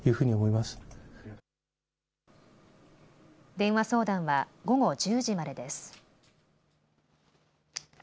電話相談は午後１０時までです。